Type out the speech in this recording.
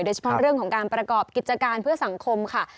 โดยเฉพาะเรื่องของการประกอบกิจการเพื่อสังคมค่ะ